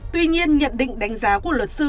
tuy nhiên nhận định đánh giá của luật sư